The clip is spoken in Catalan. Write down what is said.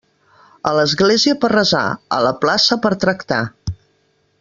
A l'església per resar, a la plaça per tractar.